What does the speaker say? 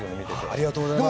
ありがとうございます。